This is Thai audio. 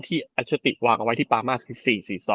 ที่อัชรติวางไว้ที่ปามาคือ๔๔๒